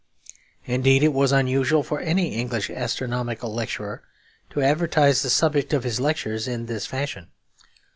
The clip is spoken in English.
Indeed, it was unusual for any English astronomical lecturer to advertise the subject of his lectures in this fashion.